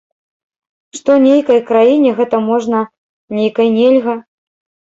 Што нейкай краіне гэта можна, нейкай нельга.